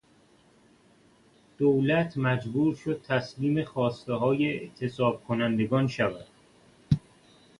دولت مجبور شد تسلیم خواستههای اعتصاب کنندگان شود.